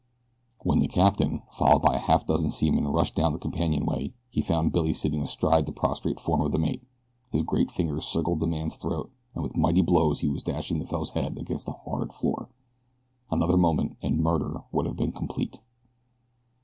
When the captain, followed by a half dozen seamen rushed down the companionway, he found Billy sitting astride the prostrate form of the mate. His great fingers circled the man's throat, and with mighty blows he was dashing the fellow's head against the hard floor. Another moment and murder would have been complete.